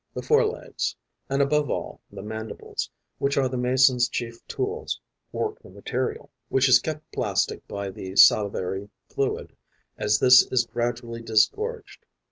The fore legs and above all the mandibles, which are the mason's chief tools, work the material, which is kept plastic by the salivary fluid as this is gradually disgorged.